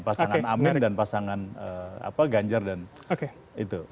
pasangan amin dan pasangan ganjar dan itu